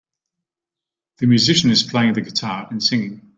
The musician is playing the guitar and singing.